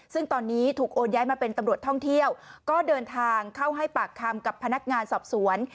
ซึ่งตอนนี้ถูกโอนย้ายมาเป็นตำรวจท่องเที่ยวก็เดินทางเข้าให้ปากคำกับพนักงานสอบสวน